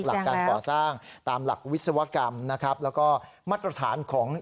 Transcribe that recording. หลักการก่อสร้างตามหลักวิศวกรรมนะครับแล้วก็มาตรฐานของ